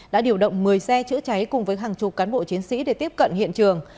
đã điều động một mươi xe chữa cháy cùng với hàng chục cán bộ chiến sĩ để tiếp cận hiện trường